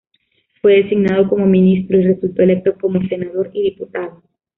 Fue designado como ministro y resultó electo como senador y diputado.